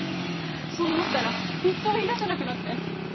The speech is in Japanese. そう思ったら一層言い出せなくなって。